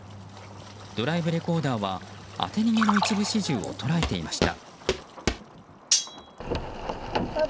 ドライブレコーダーは当て逃げの一部始終を捉えていました。